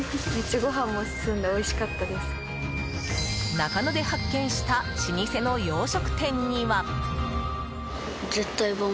中野で発見した老舗の洋食店には。